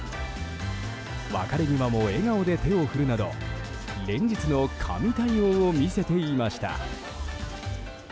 別れ際も笑顔で手を振るなど連日の神対応を見せていました。